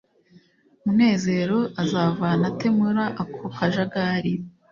munezero azavana ate muri ako kajagari